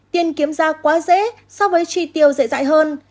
tiền kiếm ra quá dễ so với chi tiêu dễ dại hơn